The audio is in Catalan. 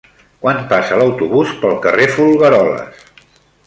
Quan passa l'autobús pel carrer Folgueroles?